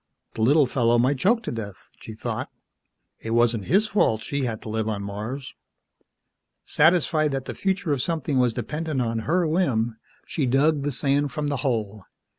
The little fellow might choke to death, she thought, it wasn't his fault she had to live on Mars. Satisfied that the future of something was dependent on her whim, she dug the sand from the hole.